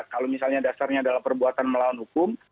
kalau misalnya dasarnya adalah perbuatan melawan hukum